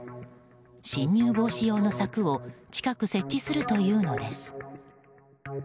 侵入防止用の柵を近く設置するというのです。